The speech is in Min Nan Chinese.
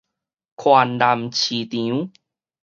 環南市場